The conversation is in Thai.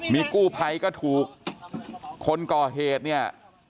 มีกู้ภัยก็ถูกคนก่อเหตุเนี่ย